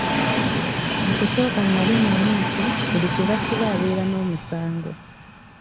Mu kusooka nali mmanyi nti buli gwe basiba abeera n'omusango.